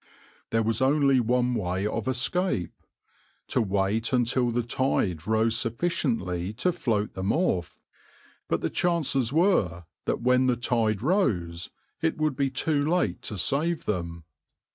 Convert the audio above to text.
\par There was only one way of escape to wait until the tide rose sufficiently to float them off, but the chances were that when the tide rose it would be too late to save them.